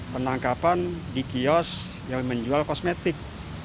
penangkapan di kios yang menjual kosmetik